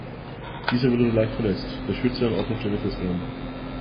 Dieser wurde nur leicht verletzt, der Schütze an Ort und Stelle festgenommen.